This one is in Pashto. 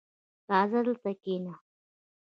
• راځه، دلته کښېنه.